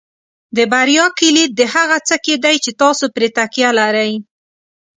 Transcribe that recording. د بریا کلید د هغه څه کې دی چې تاسو پرې تکیه لرئ.